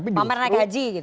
pamer naik haji gitu